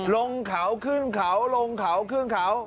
ลงเขาขึ้นเขาลงเขาขึ้นเขา